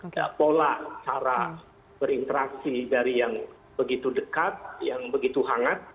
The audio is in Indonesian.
ada pola cara berinteraksi dari yang begitu dekat yang begitu hangat